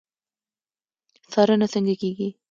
څارنه څنګه کیږي؟